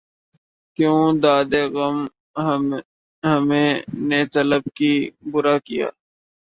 کیوں دادِ غم ہمیں نے طلب کی، بُرا کیا